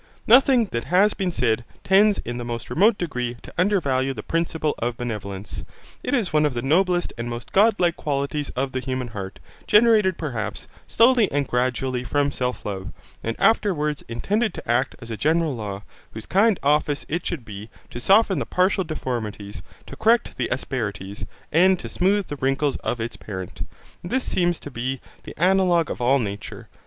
Nothing that has been said tends in the most remote degree to undervalue the principle of benevolence. It is one of the noblest and most godlike qualities of the human heart, generated, perhaps, slowly and gradually from self love, and afterwards intended to act as a general law, whose kind office it should be, to soften the partial deformities, to correct the asperities, and to smooth the wrinkles of its parent: and this seems to be the analog of all nature.